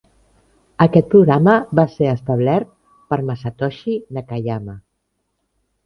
Aquest programa va ser establert per Masatoshi Nakayama.